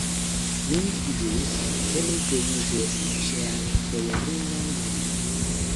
Mi ĵuras, ke mi ĝojigos ŝian bojarinan moŝton!